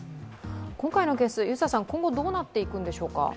今回のケース、今後どうなっていくんでしょうか？